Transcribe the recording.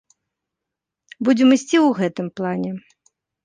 Будзем ісці ў гэтым плане.